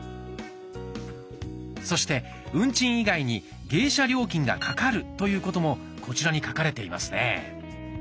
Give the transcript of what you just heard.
そして運賃以外に迎車料金がかかるということもこちらに書かれていますね。